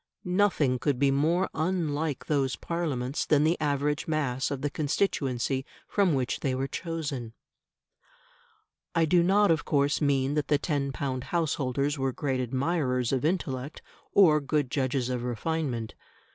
Nothing could be more unlike those Parliaments than the average mass of the constituency from which they were chosen. I do not of course mean that the ten pound householders were great admirers of intellect or good judges of refinement.